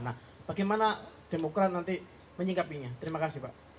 nah bagaimana demokrat nanti menyingkapinya terima kasih pak